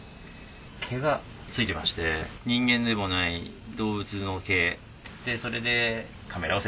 毛がついてまして、人間でもない動物の毛。